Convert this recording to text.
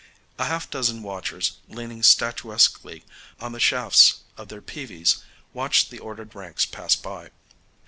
A half dozen watchers, leaning statuesquely on the shafts of their peavies, watched the ordered ranks pass by.